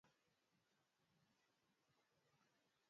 Isipokuwa kwa kuwaachia watawale Italia ya Kati walisababisha Papa